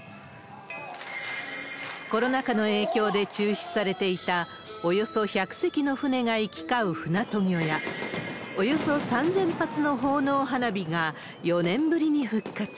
コロナ禍の影響で中止されていた、およそ１００隻の船が行き交う船渡御や、およそ３０００発の奉納花火が４年ぶりに復活。